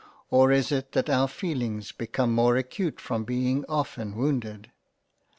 Or is it that our feelings become more acute from being often wounded ?